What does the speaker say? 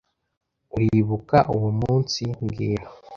Uribuka uwo munsi mbwira